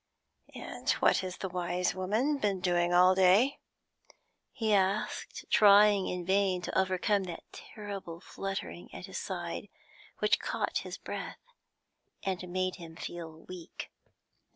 'And what has the wise woman been doing all day?' he asked, trying in vain to overcome that terrible fluttering at his side which caught his breath and made him feel weak.